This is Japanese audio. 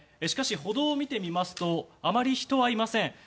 しかし歩道を見てみますとあまり人はいません。